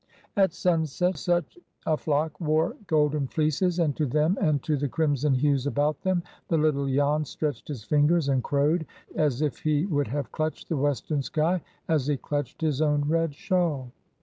At sunset such a flock wore golden fleeces, and to them, and to the crimson hues about them, the little Jan stretched his fingers, and crowed, as if he would have clutched the western sky as he clutched his own red shawl.